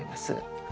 はい。